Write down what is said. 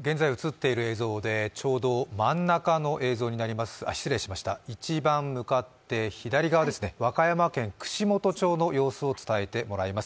現在映っている映像で一番向かって左側、和歌山県串本町の様子を伝えてもらいます。